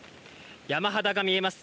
山肌が見えます。